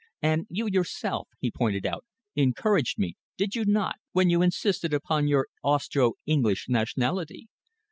And you yourself," he pointed out, "encouraged me, did you not, when you insisted upon your Austro English nationality?"